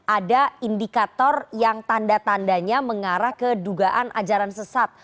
ada indikator yang tanda tandanya mengarah ke dugaan ajaran sesat